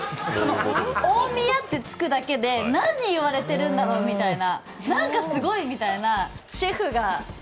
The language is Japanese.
「大宮」ってつくだけで、何言われてるんだろうっていう何かすごいみたいな。